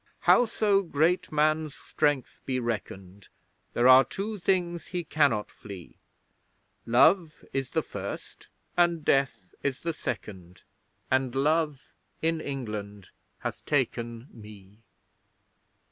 Howso great man's strength be reckoned, There are two things he cannot flee; Love is the first, and Death is the second And Love, in England, hath taken me!